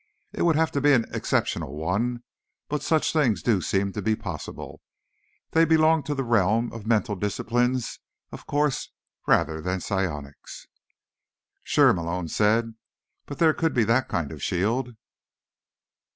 It would have to be an exceptional one, but such things do seem to be possible. They belong to the realm of mental disciplines, of course, rather than psionics." "Sure," Malone said. "But there could be that kind of shield?"